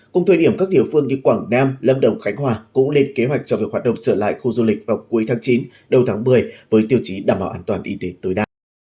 cùng thời điểm các địa phương như quảng nam lâm đồng khánh hòa cũng lên kế hoạch cho việc hoạt động trở lại khu du lịch vào cuối tháng chín đầu tháng một mươi với tiêu chí đảm bảo an toàn y tế tối đa